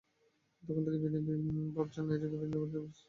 তখন থেকে তিনি ভাবছেন, এটিকে কীভাবে পরিবেশবান্ধব শহর হিসেবে গড়ে তোলা যায়।